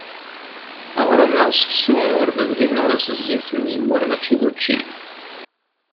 Aɣrum neɣ seksu ur nedhin ara s zzit n uzemmur mačči d učči.